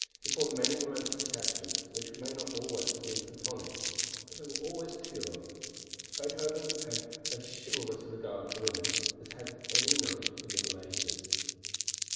He formed many romantic attachments which may not always have been Platonic, but they were always pure. Beethoven had as chivalrous a regard for women as had any knight of the middle ages.